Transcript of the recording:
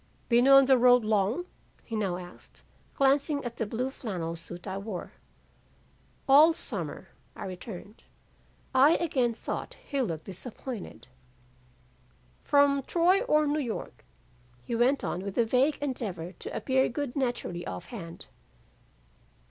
"'Been on the road long?' he now asked, glancing at the blue flannel suit I wore. "'All summer,' I returned, "I again thought he looked disappointed. "'From Troy or New York?' he went on with a vague endeavor to appear good naturally off hand.